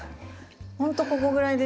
ほんとここぐらいでした。